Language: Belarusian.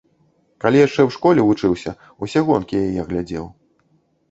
Калі яшчэ ў школе вучыўся, усе гонкі яе глядзеў.